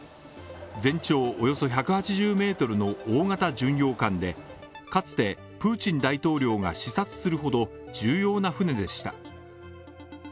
全長およそ１８０ｍの大型巡洋艦で、かつてプーチン大統領が視察するほど重要な船でした。